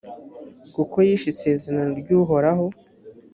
kuko yishe isezerano ry’uhoraho